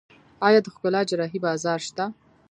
آیا د ښکلا جراحي بازار شته؟